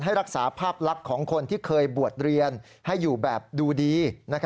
รักษาภาพลักษณ์ของคนที่เคยบวชเรียนให้อยู่แบบดูดี